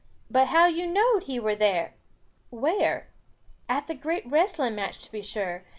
But how you knowed he were there " "Where?" "At the great wrestling match to be sure.